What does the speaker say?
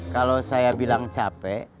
kalau saya bilang capek